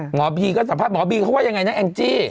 หมอบีก็สัมภาษณหมอบีเขาว่ายังไงนะแองจี้